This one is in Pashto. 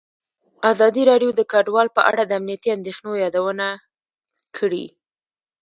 ازادي راډیو د کډوال په اړه د امنیتي اندېښنو یادونه کړې.